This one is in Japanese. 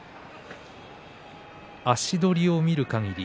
足取りを見るかぎり